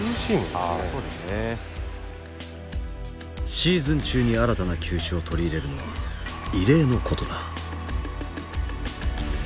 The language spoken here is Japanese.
シーズン中に新たな球種を取り入れるのは異例のことだ。